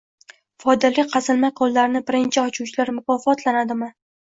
Foydali qazilma konlarini birinchi ochuvchilar mukofotlanadimi?